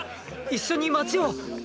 一緒に街を。